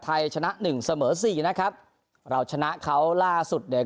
ชนะหนึ่งเสมอสี่นะครับเราชนะเขาล่าสุดเนี่ย